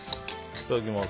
いただきます。